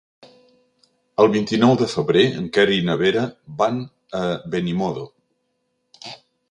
El vint-i-nou de febrer en Quer i na Vera van a Benimodo.